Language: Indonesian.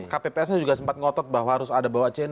kppsnya juga sempat ngotot bahwa harus ada bawa c enam ya